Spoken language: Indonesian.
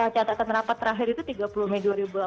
catatan rapat terakhir itu tiga puluh mei dua ribu delapan belas